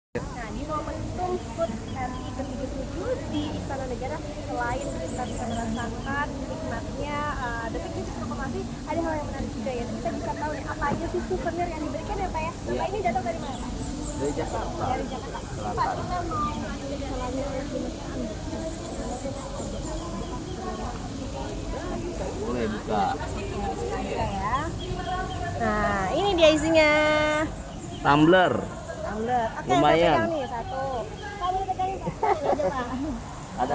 hai tadi mau menunggu tapi ketemu di istana negara selain kita sangat nikmatnya ada